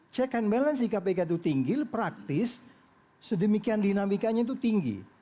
check and balance di kpk itu tinggi praktis sedemikian dinamikanya itu tinggi